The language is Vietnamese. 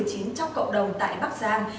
cho cộng đồng tại bắc giang